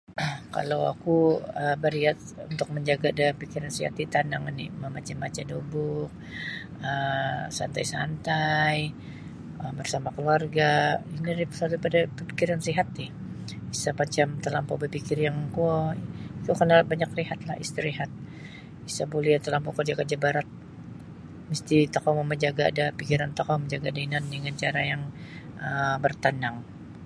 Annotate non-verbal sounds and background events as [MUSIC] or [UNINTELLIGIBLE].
[COUGHS] Kalau aku um bariat untuk manjaga da pikiran siat ti tanang oni mambaca baca da buuk um santai-santai um barsama kaluarga ino nio [UNINTELLIGIBLE] pikiran siat ti isa macam salalu bapikir yang kuo so kana banyak rihatlah istirihat isa buli talampau karja-karja barat misti tokou mamajaga da pikiran tokou manjaga da inan tokou dengan cara yang um bartanang.